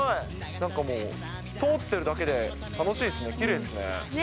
なんかもう通ってるだけで楽しいですね、きれいですね。